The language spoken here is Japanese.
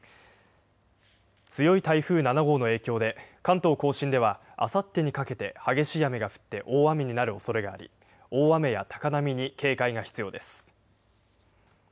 強い台風７号の影響で、関東甲信ではあさってにかけて激しい雨が降って大雨になるおそれがあり、大雨や高波に警戒が必要です。